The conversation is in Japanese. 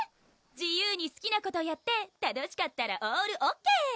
自由にすきなことやって楽しかったらオールＯＫ！